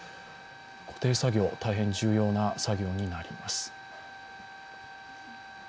固定作業、大変重要な作業になります。